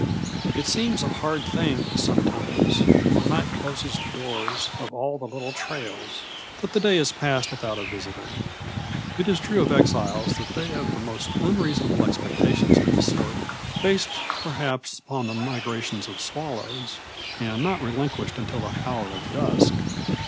It seems a hard thing, sometimes, when night closes the doors of all the little trails, that the day has passed without a visitor. It is true of exiles that they have the most unreasonable expectations of the sort, based perhaps upon the migrations of swallows, and not relinquished until the hour of dusk.